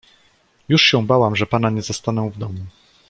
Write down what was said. "Już się bałam, że pana nie zastanę w domu."